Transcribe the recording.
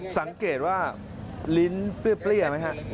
สังเกตว่าลิ้นเปรี้ยไหมฮะ